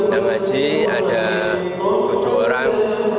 yang haji ada tujuh orang